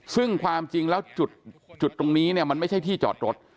ซึ่งความจริงแล้วจุดตรงนี้เนี่ยมันไม่ใช่ที่จอดรถ